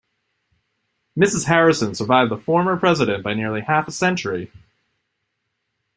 Mrs. Harrison survived the former president by nearly half a century.